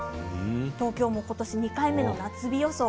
東京も今年２回目の夏日予想。